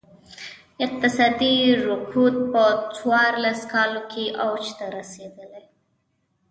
اقتصادي رکود په څوارلس کالو کې اوج ته رسېدلی.